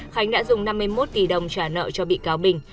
khánh đã dùng năm mươi một tỷ đồng trả nợ cho bị cáo bình